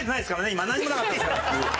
今何もなかったですから」っていう。